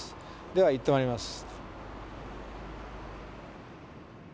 では行ってまいります。